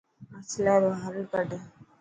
مصلي رو هل ڪڌ.